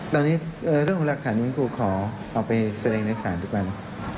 ตอนนี้เรื่องรักฐานนี้ผมขอเอาไปแสดงในสารด้วยบ้าง